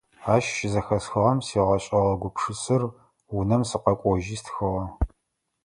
Ащ щызэхэсхыгъэм сигъэшӀыгъэ гупшысэр унэм сыкъэкӀожьи стхыгъэ.